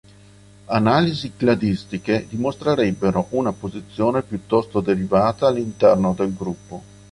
Analisi cladistiche dimostrerebbero una posizione piuttosto derivata all'interno del gruppo.